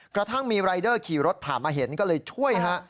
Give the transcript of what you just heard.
กระทั่งมีรายเดอร์ขี่รถผ่านมาเห็นก็เลยช่วยฮะ